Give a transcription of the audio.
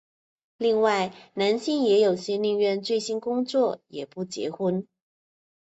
另外男性也有些宁愿醉心工作也不结婚。